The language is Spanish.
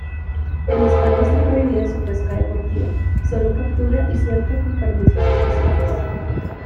En España está prohibida su pesca deportiva, solo captura y suelta con permisos especiales.